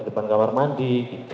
di depan kamar mandi